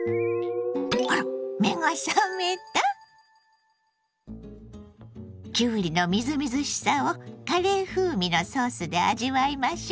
あら目が覚めた⁉きゅうりのみずみずしさをカレー風味のソースで味わいましょ。